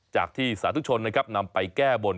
จากที่สาธุชนนะครับนำไปแก้บน